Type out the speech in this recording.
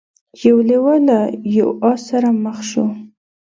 یو لیوه له یو آس سره مخ شو.